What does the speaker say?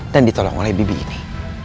dan ditolong oleh bibi ini